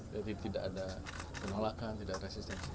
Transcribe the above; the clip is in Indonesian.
jadi tidak ada penolakan tidak ada resistensi